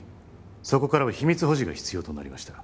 そこからは秘密保持が必要となりました